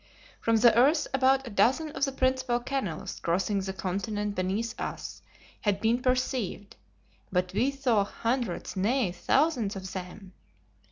From the earth about a dozen of the principal canals crossing the continent beneath us had been perceived, but we saw hundreds, nay, thousands of them!